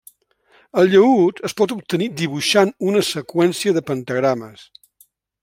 El llaüt es pot obtenir dibuixant una seqüència de pentagrames.